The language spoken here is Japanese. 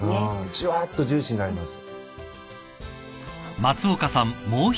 じゅわっとジューシーになります。